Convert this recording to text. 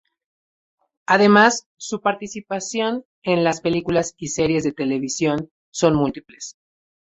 Además, su participación en las películas y series de televisión son múltiples.